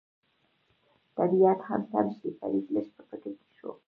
طبیعت هم سم شي، فرید لږ په فکر کې شو.